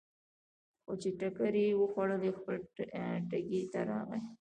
خو چې ټکرې یې وخوړلې، خپل ټکي ته راغی.